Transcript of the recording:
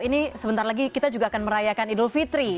ini sebentar lagi kita juga akan merayakan idul fitri